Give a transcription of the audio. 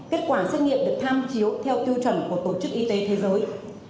kết quả xét nghiệm được tham chiếu theo tiêu chuẩn của tổ chức y tế thế giới